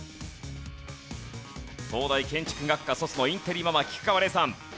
東大建築学科卒のインテリママ菊川怜さん。